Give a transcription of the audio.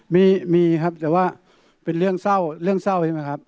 มีมีครับแต่ว่าเป็นเรื่องเศร้าเรื่องเศร้าใช่ไหมครับ